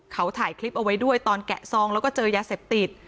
เขาถ่ายคลิปเอาไว้ด้วยตอนแกะซองแล้วก็เจอยาเสพติด